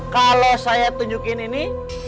kalau saya tunjukin ini